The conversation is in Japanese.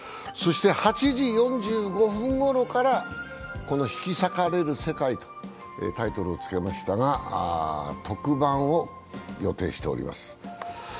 そして８時４５分ごろから、「引き裂かれる世界」とタイトルをつけましたが特番を予定しております。